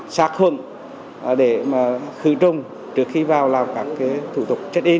sát khuẩn để khử trùng trước khi vào làm các thủ tục check in